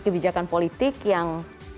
kebijakan politik yang